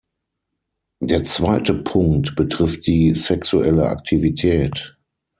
Der zweite Punkt betrifft die sexuelle Aktivität.